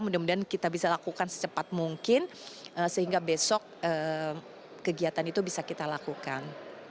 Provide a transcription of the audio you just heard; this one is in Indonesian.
mudah mudahan kita bisa lakukan secepat mungkin sehingga besok kegiatan itu bisa kita lakukan